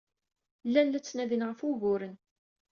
Llan la ttnadin ɣef wuguren.